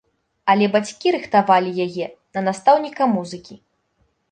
Але бацькі рыхтавалі яе на настаўніка музыкі.